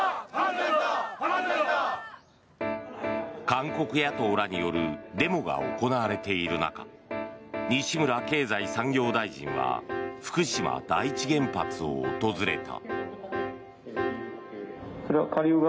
韓国野党らによるデモが行われている中西村経済産業大臣が福島第一原発を訪れた。